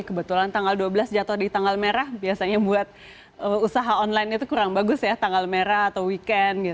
kebetulan tanggal dua belas jatuh di tanggal merah biasanya buat usaha online itu kurang bagus ya tanggal merah atau weekend